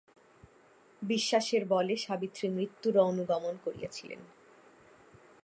বিশ্বাসের বলে সাবিত্রী মৃত্যুরও অনুগমন করিয়াছিলেন।